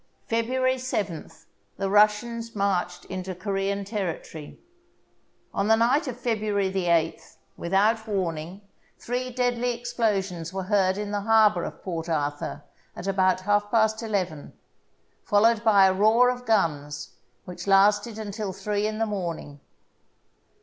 February 7th the Russians marched into Corean territory. On the night of February 8th, without warning, three deadly explosions were heard in the harbour of Port Arthur at about half past eleven, followed by a roar of guns which lasted until three in the morning.